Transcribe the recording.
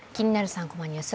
３コマニュース」